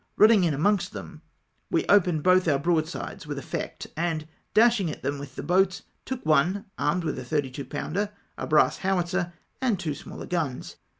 Eunning in amongst them, we opened both our broadsides with effect, and dashing at them with the boats, took one, armed with a 32 pounder, a brass howitzer, and two smaller guns.